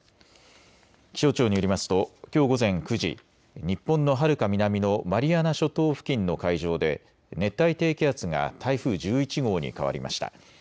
気象庁によりますときょう午前９時、日本のはるか南のマリアナ諸島付近の海上で熱帯低気圧が台風１１号に変わりました。